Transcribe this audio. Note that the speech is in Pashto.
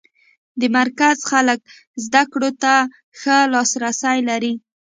د مرکز خلک زده کړو ته ښه لاس رسی لري.